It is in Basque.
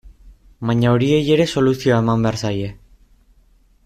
Baina horiei ere soluzioa eman behar zaie.